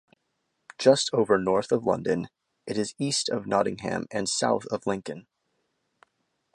Just over north of London, it is east of Nottingham and south of Lincoln.